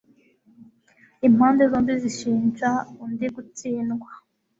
impande zombi zishinja undi gutsindwa.